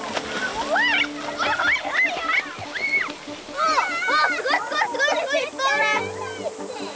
おっすごいすごいすごいすごい！いっぱいおる！